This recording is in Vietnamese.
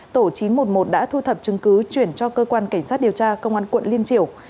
tổ chín trăm một mươi một đã thu thập chứng cứ chuyển cho cơ quan cảnh sát điều tra công an quận liên triều